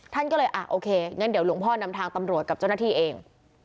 ท่านก็เลยอ่ะโอเคงั้นเดี๋ยวหลวงพ่อนำทางตำรวจกับเจ้าหน้าที่เอง